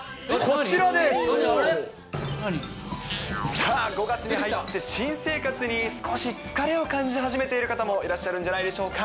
さあ、５月に入って新生活に少し疲れを感じ始めている方もいらっしゃるんじゃないでしょうか。